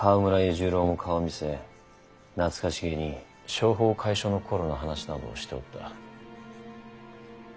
十郎も顔を見せ懐かしげに商法會所の頃の話などをしておった。